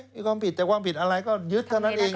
มีความผิดแต่ความผิดอะไรก็ยึดเท่านั้นเอง